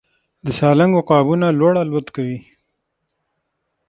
د سالنګ عقابونه لوړ الوت کوي